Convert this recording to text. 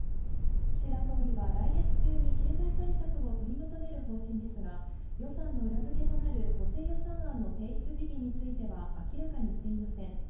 岸田総理は来月中に経済対策を取りまとめる方針ですが、予算の裏付けとなる補正予算案の提出時期については明らかにしていません。